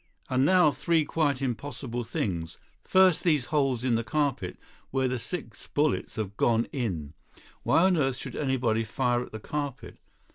"And now three quite impossible things. First, these holes in the carpet, where the six bullets have gone in. Why on earth should anybody fire at the carpet?